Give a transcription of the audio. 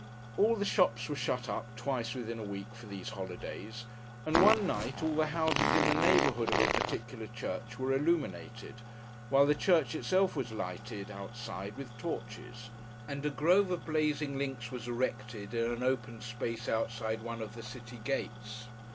All the shops were shut up, twice within a week, for these holidays; and one night, all the houses in the neighbourhood of a particular church were illuminated, while the church itself was lighted, outside, with torches; and a grove of blazing links was erected, in an open space outside one of the city gates.